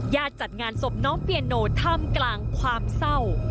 จัดงานศพน้องเปียโนท่ามกลางความเศร้า